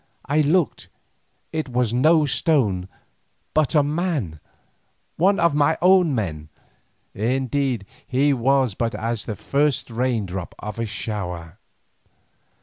I looked; it was no stone, but a man, one of my own men. Indeed he was but as the first rain drop of a shower.